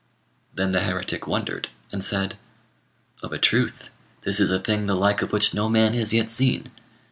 "Then the heretic wondered, and said "'Of a truth, this is a thing the like of which no man has yet seen.